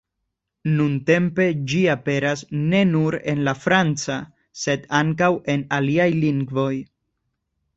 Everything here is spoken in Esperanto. Nuntempe ĝi aperas ne nur en la franca, sed ankaŭ en aliaj lingvoj.